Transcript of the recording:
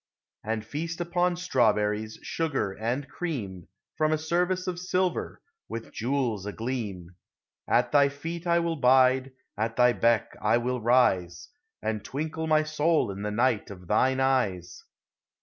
And feast upon strawberries, sugar and cream From a service of silver, with jewels agleam, At thy feet will I bide, at thy beck will I rise, And twinkle my soul in the night of thine eyes!